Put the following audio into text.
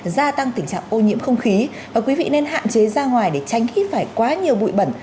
gia tăng tình trạng ô nhiễm không khí và quý vị nên hạn chế ra ngoài để tránh hít phải quá nhiều bụi bẩn